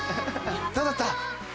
どうだった？